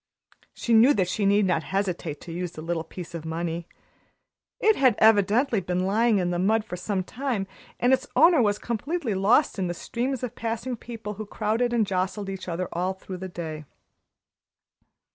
She knew that she need not hesitate to use the little piece of money. It had evidently been lying in the mud for some time, and its owner was completely lost in the streams of passing people who crowded and jostled each other all through the day.